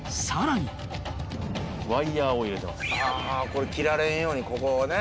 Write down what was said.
これ切られんようにここをね。